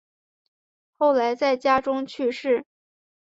后来在家中去世。